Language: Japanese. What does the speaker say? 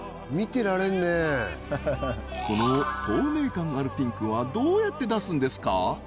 この透明感あるピンクはどうやって出すんですか？